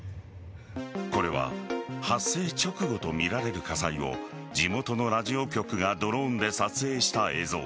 これは発生直後とみられる火災を地元のラジオ局がドローンで撮影した映像。